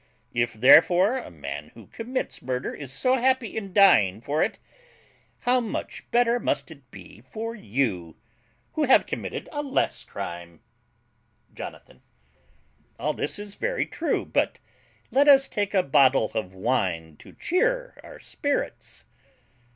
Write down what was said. If, therefore, a man who commits murder is so happy in dying for it, how much better must it be for you, who have committed a less crime! JONATHAN. All this is very true; but let us take a bottle of wine to cheer our spirits.